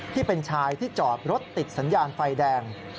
ที่เป็นชายที่จอดรถติดสัญญาณไฟแดง